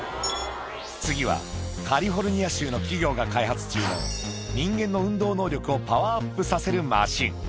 次は、カリフォルニア州の企業が開発中の、人間の運動能力をパワーアップさせるマシン。